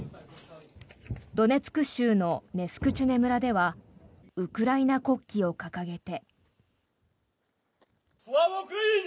ドネツク州のネスクチュネ村ではウクライナ国旗を掲げて。